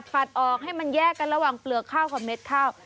ตัดออกให้มันแยกกันระหว่างเปลือกข้าวกับเม็ดข้าว